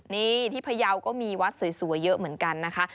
นี่ที่พยาวก็มีวัดสวยเยอะเหมือนกันนะคะ